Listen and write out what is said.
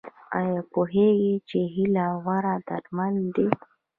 ایا پوهیږئ چې هیله غوره درمل ده؟